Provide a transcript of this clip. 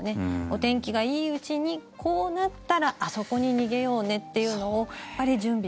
お天気がいいうちにこうなったらあそこに逃げようねっていうのを家族と話し合いながら。